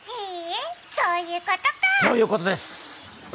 へーえ、そういうことか。